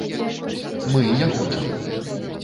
Мы і не хочам.